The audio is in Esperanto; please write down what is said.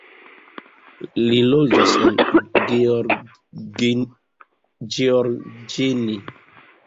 Li loĝas en Gheorgheni.